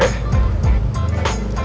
terima kasih pak